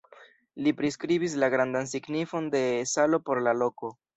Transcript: Li priskribis la grandan signifon de salo por la loko.